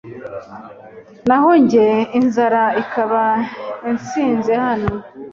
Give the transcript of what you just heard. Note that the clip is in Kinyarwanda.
naho jye inzara ikaba insinze hano